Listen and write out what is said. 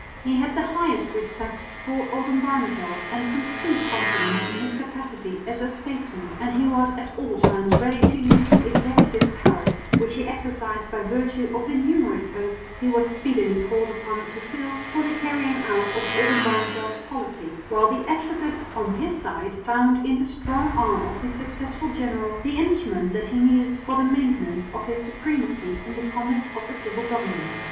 He had the highest respect for Oldenbarneveldt and complete confidence in his capacity as a statesman, and he was at all times ready to use the executive powers, which he exercised by virtue of the numerous posts he was speedily called upon to fill, for the carrying out of Oldenbarneveldt's policy; while the Advocate on his side found in the strong arm of the successful general the instrument that he needed for the maintenance of his supremacy in the conduct of the civil government.